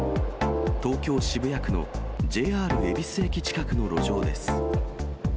東京・渋谷区のＪＲ恵比寿駅近くの路上です。